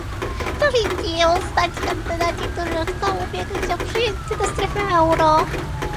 Powinni ją znać kandydaci, którzy chcą ubiegać się o przyjęcie do strefy euro